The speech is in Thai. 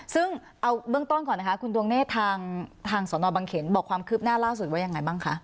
ซึ่งเอาเบื้องต้นก่อนนะคะคุณดวงเนธทางสนบังเขนบอกความคืบหน้าล่าสุดว่ายังไงบ้างคะ